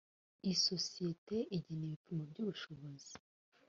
isosiyete igena ibipimo by ubushobozi